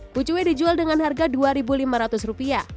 pucuwe dijual dengan harga rp dua lima ratus